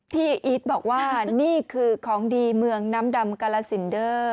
อีทบอกว่านี่คือของดีเมืองน้ำดำกาลสินเดอร์